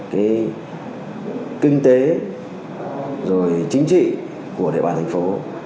cái kinh tế rồi chính trị của địa bàn thành phố